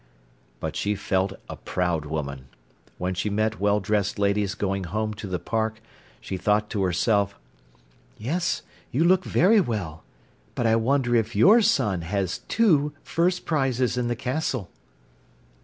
But she felt a proud woman. When she met well dressed ladies going home to the Park, she thought to herself: "Yes, you look very well—but I wonder if your son has two first prizes in the Castle."